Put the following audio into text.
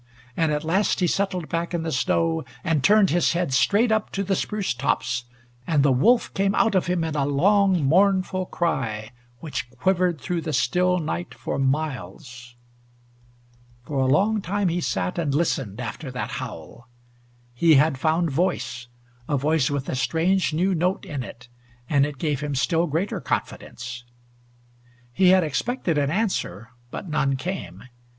And at last he settled back in the snow and turned his head straight up to the spruce tops, and the wolf came out of him in a long mournful cry which quivered through the still night for miles. For a long time he sat and listened after that howl. He had found voice a voice with a strange new note in it, and it gave him still greater confidence. He had expected an answer, but none came.